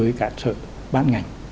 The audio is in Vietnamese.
đối với các sở bán ngành